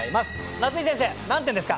夏井先生何点ですか？